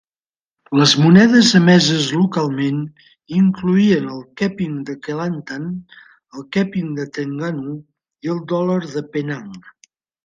Les monedes emeses localment incloïen el keping de Kelantan, el keping de Trengganu i el dòlar de Penang.